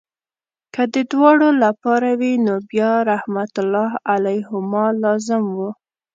که د دواړو لپاره وي نو بیا رحمت الله علیهما لازم وو.